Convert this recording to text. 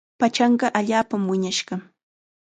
Pachanqa allaapam wiñashqa.